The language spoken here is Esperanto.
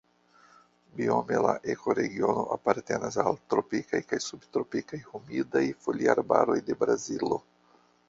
Biome la ekoregiono apartenas al tropikaj kaj subtropikaj humidaj foliarbaroj de Brazilo.